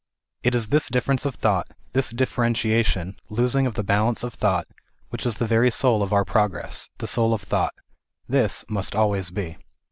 It is this difference of thought this differentiation, losing of the balance of thought, which is the very soul of our progress, the soul of thought. This must always be.